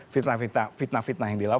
fitnah fitnah yang di lau